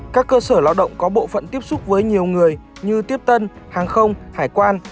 các cơ sở lao động có bộ phận tiếp xúc với nhiều người như tiếp tân hàng không hải quan